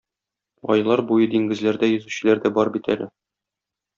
Айлар буе диңгезләрдә йөзүчеләр дә бар бит әле.